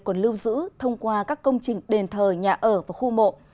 còn lưu giữ thông qua các công trình đền thờ nhà ở và khu mộ